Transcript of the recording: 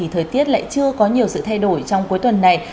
thời tiết lại chưa có nhiều sự thay đổi trong cuối tuần này